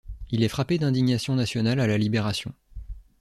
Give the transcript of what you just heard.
Il est frappé d'indignité nationale à la Libération.